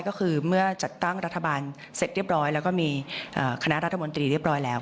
ก็คือเมื่อจัดตั้งรัฐบาลเสร็จเรียบร้อยแล้วก็มีคณะรัฐมนตรีเรียบร้อยแล้ว